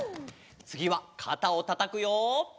つぎはかたをたたくよ。